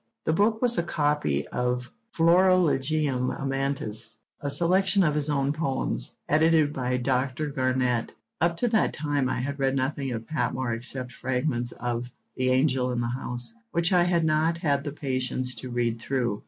The book was a copy of Florilegium Amantis, a selection of his own poems, edited by Dr. Garnett. Up to that time I had read nothing of Patmore except fragments of The Angel in the House, which I had not had the patience to read through.